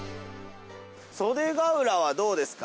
袖ケ浦はどうですか？